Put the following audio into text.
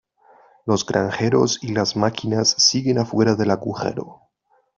Los granjeros y las máquinas siguen afuera del agujero.